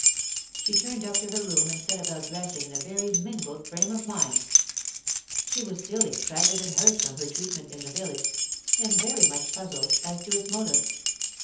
She turned up to her room and set about dressing in a very mingled frame of mind. She was still excited and hurt from her treatment in the village—and very much puzzled as to its motive.